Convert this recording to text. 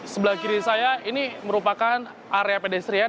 sebelah kiri saya ini merupakan area pedestrian